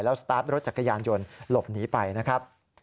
สตาร์ทรถจักรยานยนต์หลบหนีไปนะครับ